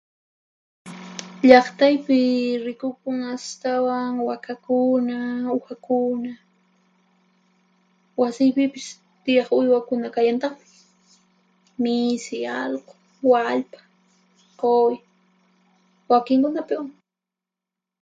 Llaqtaypi rikukun astawan wakakuna, uhakuna, wasiypipis tiyaq uywakuna kallantaqmi: misi, allqu, wallpa, quwi, wakinkunapiwan.